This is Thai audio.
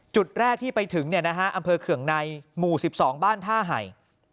จุดแรกที่ไปถึงอำเภอเคืองในหมู่๑๒บ้านท่าไห่